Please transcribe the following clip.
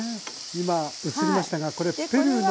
今映りましたがこれペルーの。